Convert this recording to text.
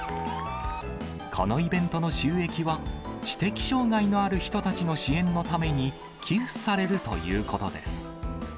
このイベントの収益は、知的障がいのある人たちの支援のために寄付されるということです。